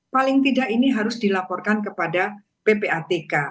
paling tidak ini harus dilaporkan kepada ppatk